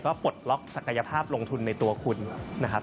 ก็ปลดล็อกศักยภาพลงทุนในตัวคุณนะครับ